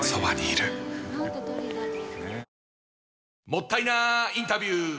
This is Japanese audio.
もったいなインタビュー！